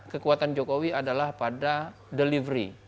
kekuatan jokowi adalah pada delivery